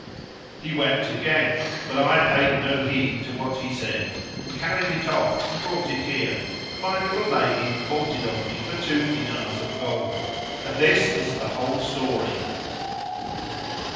He wept again, but I paid no heed to what he said and carried it off and brought it here, and my little lady bought it of me for two dinars of gold. And this is the whole story."